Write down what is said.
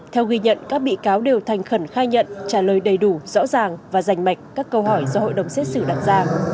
theo ghi nhận các bị cáo đều thành khẩn khai nhận trả lời đầy đủ rõ ràng và rành mạch các câu hỏi do hội đồng xét xử đặt ra